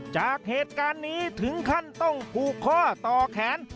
จากเหตุการณ์นี้ถึงขั้นต้องผูกข้อต่อแขน